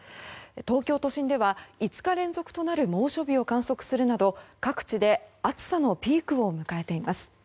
東京都心では５日連続となる猛暑日を観測するなど各地で暑さのピークを迎えています。